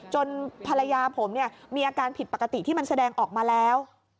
ภรรยาผมเนี่ยมีอาการผิดปกติที่มันแสดงออกมาแล้ว